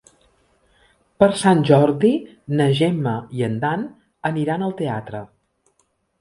Per Sant Jordi na Gemma i en Dan aniran al teatre.